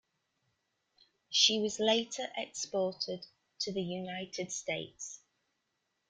She was later exported to the United States.